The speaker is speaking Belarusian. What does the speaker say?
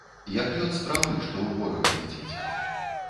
Як лёт стралы, што ў ворага ляціць.